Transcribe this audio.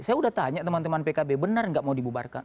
saya udah tanya teman teman pkb benar nggak mau dibubarkan